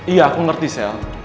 iya aku ngerti sel